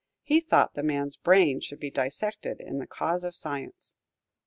He thought the man's brain should be dissected, in the cause of science.